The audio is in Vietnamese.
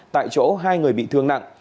tại chỗ hai người bị thương nặng